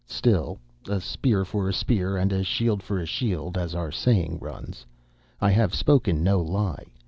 'Still, "a spear for a spear and a shield for a shield," as our saying runs. I have spoken no lie.